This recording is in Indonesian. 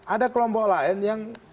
ada kelompok lain yang